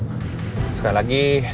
sekali lagi sekali lagi om